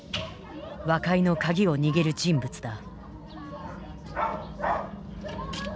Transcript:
和解の鍵を握る人物だ。